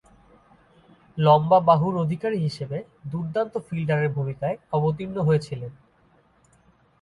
লম্বা বাহুর অধিকারী হিসেবে দূর্দান্ত ফিল্ডারের ভূমিকায় অবতীর্ণ হয়েছিলেন।